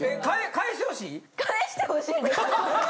返してほしいです！